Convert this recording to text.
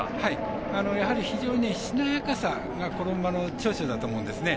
やはり非常に、しなやかさがこの馬の長所だと思うんですね。